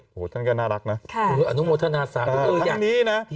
โอ้โหท่านก็น่ารักนะค่ะอันนุโมธนาศาสตร์ทั้งนี้นะ